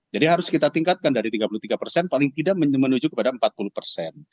jadi harus kita tingkatkan dari tiga puluh tiga persen paling tidak menuju kepada empat puluh persen